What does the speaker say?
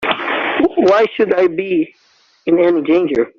Why should I be in any danger?